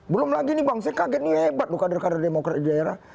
belum lagi nih bang saya kaget ini hebat loh kadir kadir demokrat di daerah